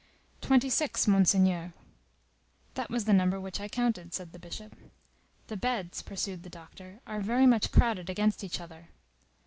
"Twenty six, Monseigneur." "That was the number which I counted," said the Bishop. "The beds," pursued the director, "are very much crowded against each other."